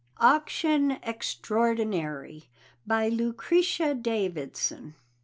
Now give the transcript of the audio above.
AUCTION EXTRAORDINARY. BY LUCRETIA DAVIDSON.